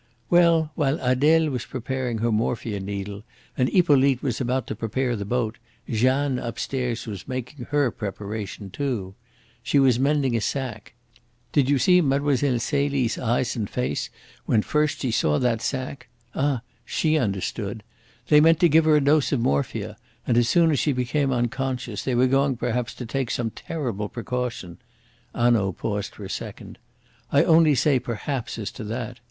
"Well, while Adele was preparing her morphia needle and Hippolyte was about to prepare the boat, Jeanne upstairs was making her preparation too. She was mending a sack. Did you see Mlle. Celie's eyes and face when first she saw that sack? Ah! she understood! They meant to give her a dose of morphia, and, as soon as she became unconscious, they were going perhaps to take some terrible precaution " Hanaud paused for a second. "I only say perhaps as to that.